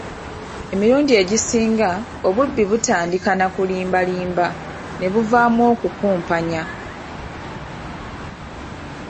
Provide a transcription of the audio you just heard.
Emirundi egisinga obubbi butandika nakulimbalimba, ne muvaamu okukumpanya.